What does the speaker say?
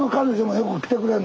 よく来てくれる。